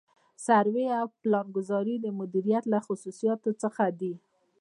سروې او پلانګذاري د مدیریت له خصوصیاتو څخه دي.